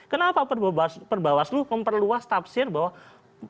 kenapa perbawaslu memperluas tafsir bahwa